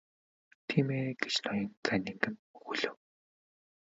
Тийм ээ гэж ноён Каннингем өгүүлэв.